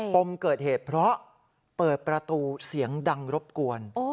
ปมเกิดเหตุเพราะเปิดประตูเสียงดังรบกวน